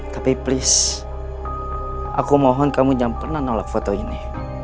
tapi please aku mohon kamu jangan pernah nolak foto ini